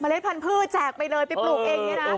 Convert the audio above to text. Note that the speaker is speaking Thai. เล็ดพันธุ์แจกไปเลยไปปลูกเองเนี่ยนะ